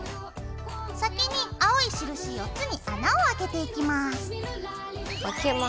先に青い印４つに穴をあけていきます。